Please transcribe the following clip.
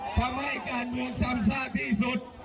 ทำให้การเมืองซ้ำซากที่สุด